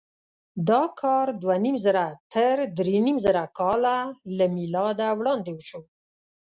دا کار دوهنیمزره تر درېزره کاله له مېلاده وړاندې وشو.